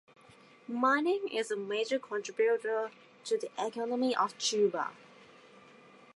Mining is a major contributor to the economy of Tuba.